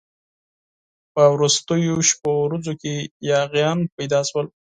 په وروستو شپو ورځو کې یاغیان پیدا شول.